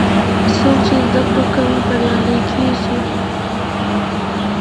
څوک چې زده کړه کوي، بریالی کېږي.